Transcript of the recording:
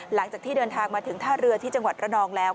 หลังจากที่เดินทางมาถึงท่าเรือที่จังหวัดระนองแล้ว